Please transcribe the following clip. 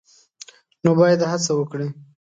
نو باید هڅه وکړي